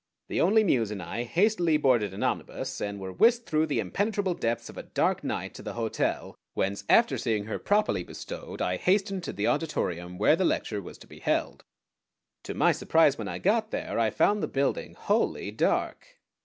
The Only Muse and I hastily boarded an omnibus, and were whisked through the impenetrable depths of a dark night to the hotel, whence, after seeing her properly bestowed, I hastened to the Auditorium where the lecture was to be held. To my surprise when I got there I found the building wholly dark.